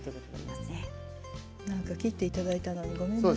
せっかく切っていただいたのにごめんなさい。